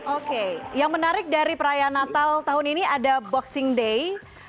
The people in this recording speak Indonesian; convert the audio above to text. oke yang menarik dari perayaan natal tahun ini ada boxing day